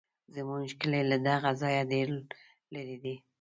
زموږ کلی له دغه ځایه ډېر لرې دی.